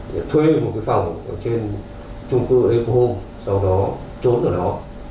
để thuê một phòng trên trung cư epo home sau đó trốn ở đó